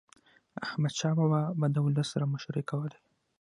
احمدشاه بابا به د ولس سره مشورې کولي.